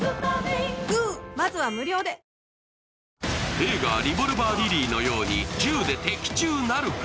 映画「リボルバー・リリー」のように銃で的中なるか？